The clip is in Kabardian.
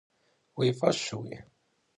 Vui f'eşui?